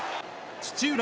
土浦